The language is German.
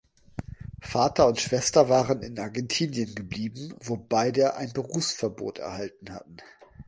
Vater und Schwester waren in Argentinien geblieben, wo beide ein Berufsverbot erhalten hatten.